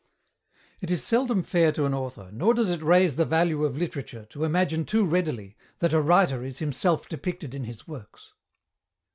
It is seldom fair to an author, nor does it raise the value of literature to imagine too readily that a writer is himself depicted in his works.